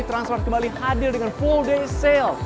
transport kembali hadir dengan full day sale